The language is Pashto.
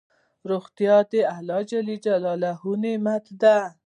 روغتيا دالله لوي نعمت ده